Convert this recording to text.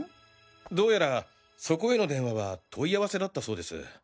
どうやらそこへの電話は問い合わせだったそうです。